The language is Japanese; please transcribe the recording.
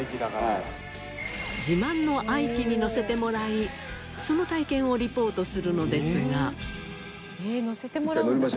自慢の愛機に乗せてもらいその体験をリポートするのですが。